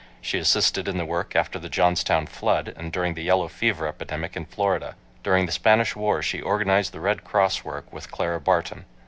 She assisted in the work after the Johnstown flood and during the yellow fever epidemic in Florida. During the Spanish war she organized the Red Cross work with Clara Barton.